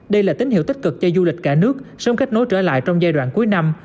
đây là tín hiệu tích cực cho du lịch cả nước sớm kết nối trở lại trong giai đoạn cuối năm